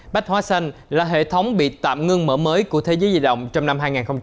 bách hóa xanh là hệ thống bị tạm ngưng mở mới của thế giới di động trong năm hai nghìn hai mươi